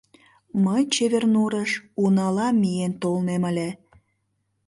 — Мый «Чевер нурыш» унала миен толнем ыле...